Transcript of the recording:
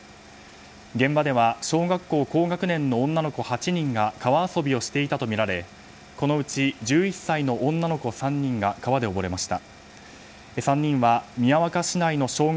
現場では小学校高学年の女の子８人が川遊びをしていたとみられこのうち１１歳の女の子３人が川で溺れました。